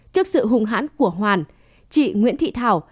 trước sự hung hãn của hoàn chị nguyễn thị thảo